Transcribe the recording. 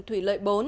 thủy lợi bốn